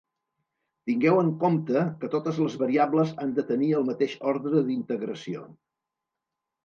Tingueu en compte que totes les variables han de tenir el mateix ordre d'integració.